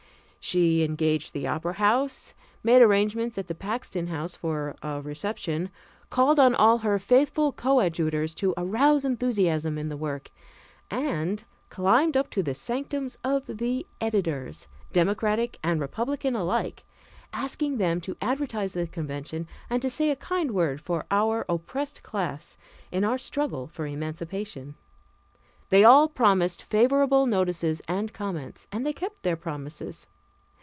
She engaged the Opera House, made arrangements at the Paxton House for a reception, called on all her faithful coadjutors to arouse enthusiasm in the work, and climbed up to the sanctums of the editors, Democratic and Republican alike, asking them to advertise the convention and to say a kind word for our oppressed class in our struggle for emancipation. They all promised favorable notices and comments, and they kept their promises.